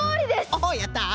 おおやった。